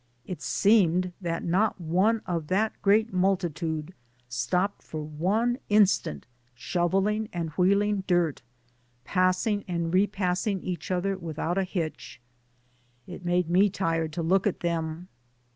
It seemed that not one of that great multitude stopped for one instant shov eling and wheeling dirt, passing and re passing each other without a hitch. It made me tired to look at them.